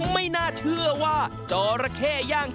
ไม่น่าเชื่อว่าจอระเข้ย่าง